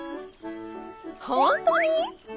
ほんとに？